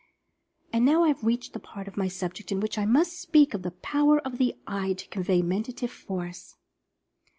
And now I have reached that part of my subject in which I must speak of the Power of the Eye to convey Mentative Force.